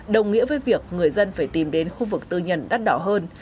đồng nghĩa với việc người dân phải tìm đến khu vực tư nhân đắt đỏ hơn